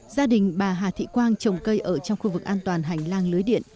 gia đình bà hà thị quang trồng cây ở trong khu vực an toàn hành lang lưới điện